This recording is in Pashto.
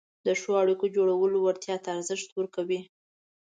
د ښو اړیکو جوړولو وړتیا ته ارزښت ورکوي،